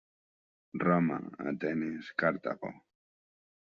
Roma, Atenes, Cartago.